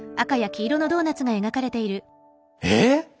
えっ？